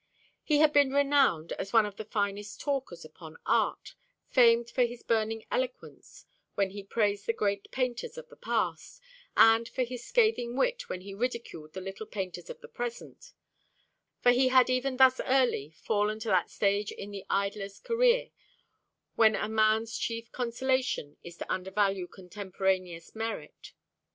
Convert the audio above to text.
He had been renowned as one of the finest talkers, upon art, famed for his burning eloquence when he praised the great painters of the past, and for his scathing wit when he ridiculed the little painters of the present; for he had even thus early fallen to that stage in the idler's career, when a man's chief consolation is to undervalue contemporaneous merit.